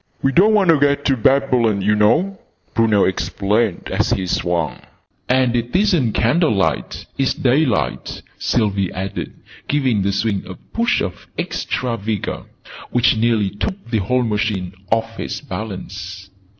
"We don't want to get to Babylon, oo know!" Bruno explained as he swung. "And it isn't candlelight: it's daylight!" Sylvie added, giving the swing a push of extra vigour, which nearly took the whole machine off its balance.